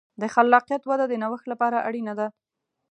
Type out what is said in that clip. د خلاقیت وده د نوښت لپاره اړینه ده.